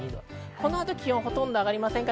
この後、気温はほとんど上がりません。